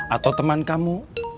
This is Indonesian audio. atau teman kamu